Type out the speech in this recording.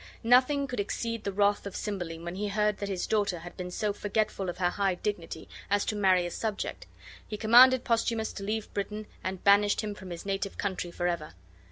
Nothing could exceed the wrath of Cymbeline when he heard that his daughter had been so forgetful of her high dignity as to marry a subject. He commanded Posthumus to leave Britain and banished him from his native country forever.